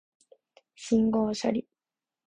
信号処理